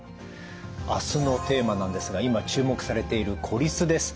あすのテーマなんですが今注目されている孤立です。